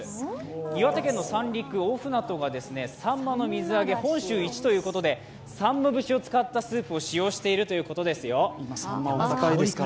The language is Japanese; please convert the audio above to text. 岩手県の三陸・大船渡がさんまの水揚げ、本州一ということでさんま節を使ったスープということです。